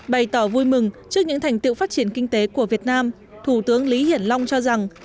bày tỏ vui mừng trước những thành tiệu phát triển kinh tế của việt nam thủ tướng lý hiển long cho rằng